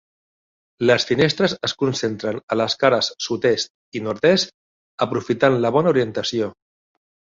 Les finestres es concentren a les cares sud-est i nord-est, aprofitant la bona orientació.